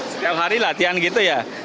setiap hari latihan gitu ya